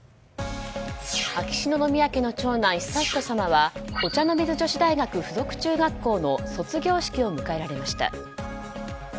秋篠宮家の長男・悠仁さまはお茶の水女子大学附属中学校の卒業式を迎えられました。